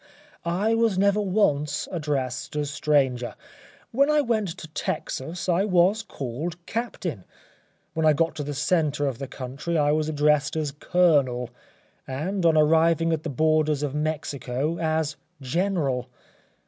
ŌĆØ I was never once addressed as ŌĆ£Stranger.ŌĆØ When I went to Texas I was called ŌĆ£CaptainŌĆØ; when I got to the centre of the country I was addressed as ŌĆ£Colonel, ŌĆØ and, on arriving at the borders of Mexico, as ŌĆ£General.